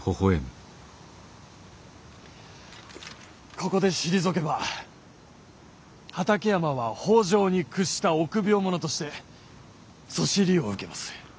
ここで退けば畠山は北条に屈した臆病者としてそしりを受けます。